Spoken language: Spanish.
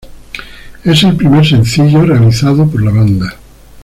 Es el primer sencillo realizado por la banda.